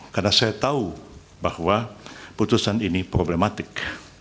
karena saya tahu bahwa putusan ini problematik